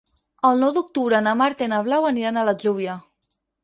El nou d'octubre na Marta i na Blau aniran a l'Atzúbia.